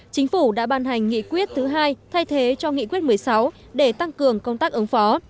chính phủ đã ban hành nghị quyết thứ hai thay thế cho nghị quyết một mươi sáu để tăng cường công tác ứng phó